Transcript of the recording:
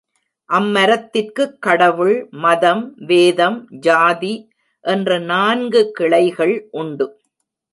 அம்மரத்திற்குக் கடவுள், மதம், வேதம், ஜாதி என்ற நான்கு கிளைகள் உண்டு.